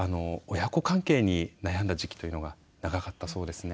親子関係に悩んだ時期というのが長かったそうですね。